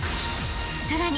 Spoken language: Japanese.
［さらに］